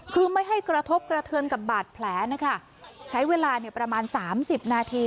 คือไม่ให้กระทบกระเทือนกับบาดแผลนะคะใช้เวลาเนี่ยประมาณสามสิบนาที